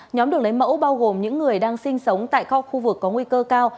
nhóm được lấy mẫu bao gồm những người đang sinh sống tại kho khu vực có nguy cơ cao